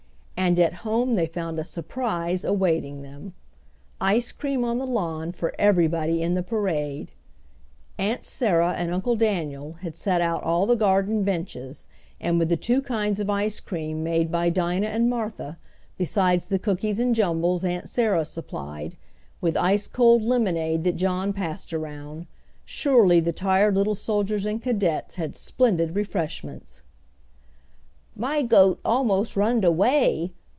And at home they found a surprise awaiting them! Ice cream on the lawn for everybody in the parade. Aunt Sarah and Uncle Daniel had set out all the garden benches, and with the two kinds of ice cream made by Dinah and Martha, besides the cookies and jumbles Aunt Sarah supplied, with ice cold lemonade that John passed around, surely the tired little soldiers and cadets had splendid refreshment! "My goat almost runned away!"